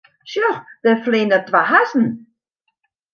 Sjoch, dêr fleane twa hazzen.